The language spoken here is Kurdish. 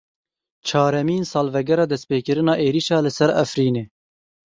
Çaremîn salvegera dest pêkirina êrişa li ser Efrînê.